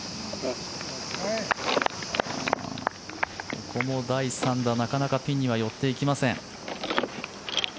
ここも第３打、なかなかピンには寄っていきません。